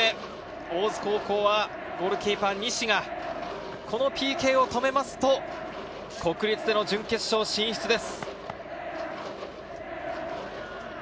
大津高校はゴールキーパー・西がこのＰＫを止めますと、国立での準決勝進出です。